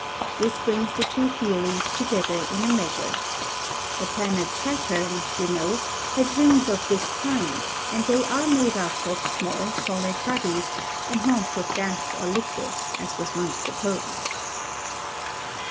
This brings the two theories together in a measure. The planet Saturn, you know, has rings of this kind and they are made up of small solid bodies, and not of gas or liquid, as was once supposed.